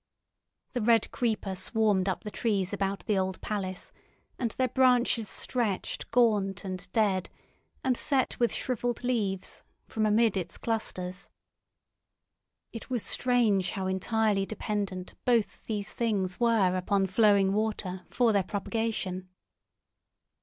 The red creeper swarmed up the trees about the old palace, and their branches stretched gaunt and dead, and set with shrivelled leaves, from amid its clusters. It was strange how entirely dependent both these things were upon flowing water for their propagation.